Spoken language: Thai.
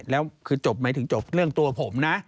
แล้วคือจบหมายถึงจบเรื่องตัวผมนะ